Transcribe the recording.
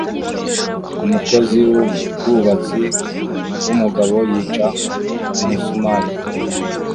Umukozi wubwubatsi wumugabo yica umusumari